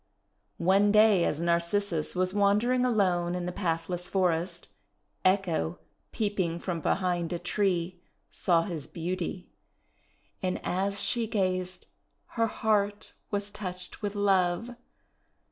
One day as Narcissus was wandering alone in the pathless forest, Echo, peeping from behind a tree, saw his beauty; and as she gazed her heart was touched with love.